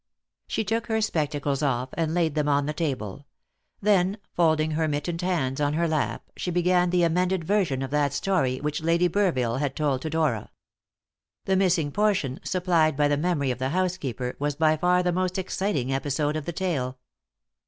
She took her spectacles off and laid them on the table; then, folding her mittened hands on her lap, she began the amended version of that story which Lady Burville had told to Dora. The missing portion, supplied by the memory of the housekeeper, was by far the most exciting episode of the tale.